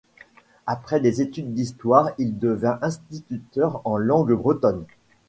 Après des études d'histoire, il devient instituteur en langue bretonne.